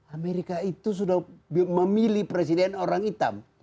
amerika itu sudah memilih presiden orang hitam